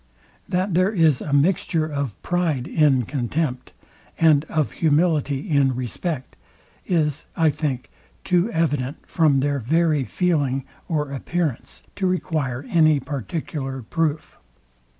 That there is a mixture of pride in contempt, and of humility in respect, is, I think, too evident, from their very feeling or appearance, to require any particular proof.